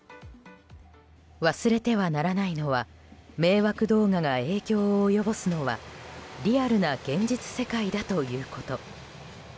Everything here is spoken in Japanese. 忘れてはならないのは迷惑動画が影響を及ぼすのはリアルな現実世界だということ。